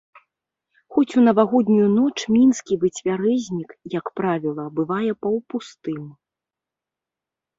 Хоць у навагоднюю ноч мінскі выцвярэзнік, як правіла, бывае паўпустым.